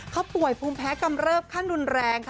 เขาป่วยภูมิแพ้กำเริบขั้นรุนแรงค่ะ